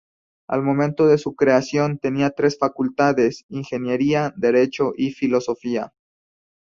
Al momento de su creación tenía tres facultades: Ingeniería, derecho y filosofía.